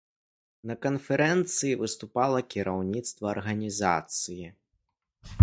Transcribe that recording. На канферэнцыі выступала кіраўніцтва арганізацыі.